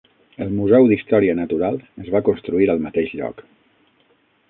El Museu d'història natural es va construir al mateix lloc.